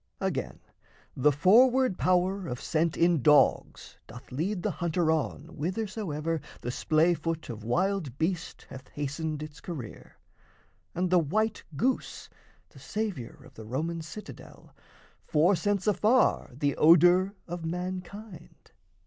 Again, the forward power Of scent in dogs doth lead the hunter on Whithersoever the splay foot of wild beast Hath hastened its career; and the white goose, The saviour of the Roman citadel, Forescents afar the odour of mankind.